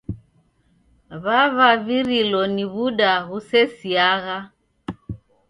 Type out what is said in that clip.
W'avavirilo ni w'uda ghusesiagha.